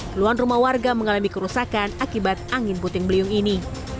keluhan rumah warga mengalami kerusakan akibat angin puting beliung ini